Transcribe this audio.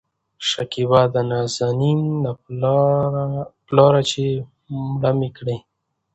شکيبا : د نازنين پلاره چې مړه مې کړې